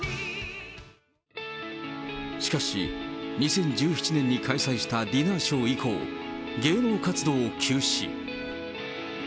しかし、２０１７年に開催したディナーショー以降、芸能活動を休止。